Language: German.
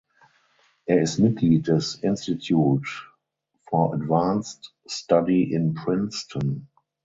Er ist Mitglied des Institute for Advanced Study in Princeton.